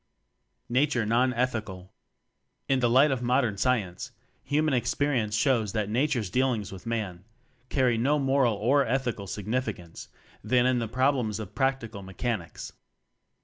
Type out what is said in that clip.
Nature Non Ethical. In . the light of Modern Science, human experience shows that Na ture's dealings with Man carry no more moral or ethical significance than in the problems of Practical Mechanics.